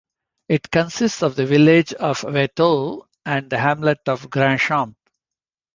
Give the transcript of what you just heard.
It consists of the village of Veytaux and the hamlet of Grandchamp.